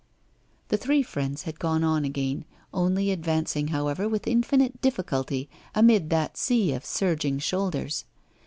The three friends had gone on again, only advancing, however, with infinite difficulty amid that sea of surging shoulders.